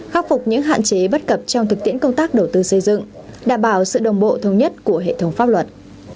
khắc phục những hạn chế bất cập trong thực tiễn công tác đầu tư xây dựng đảm bảo sự đồng bộ thông nhất của hệ thống pháp luật